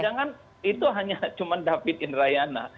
jangan itu hanya cuma david indrayana